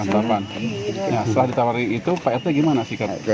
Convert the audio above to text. setelah ditawari itu pak rt gimana sih